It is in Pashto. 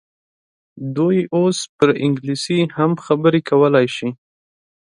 دوی اوس پر انګلیسي هم خبرې کولای شي.